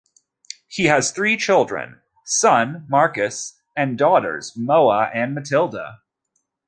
He has three children, son Marcus, and daughters Moa and Matilda.